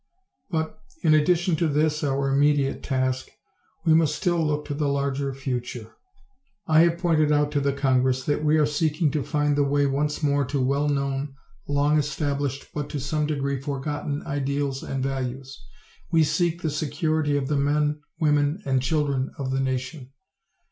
But, in addition to this our immediate task, we must still look to the larger future. I have pointed out to the Congress that we are seeking to find the way once more to well known, long established but to some degree forgotten ideals and values. We seek the security of the men, women and children of the nation.